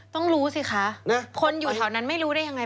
ต้องรู้สิคะคนอยู่แถวนั้นไม่รู้ได้ยังไง